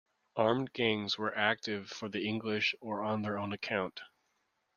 Armed gangs were active for the English or on their own account.